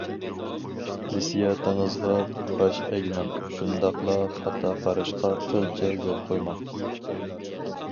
ھېسسىياتىڭىزغا باش ئەگمەڭ، شۇنداقلا خاتا قاراشقا قىلچە يول قويماڭ.